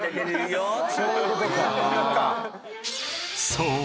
［そう。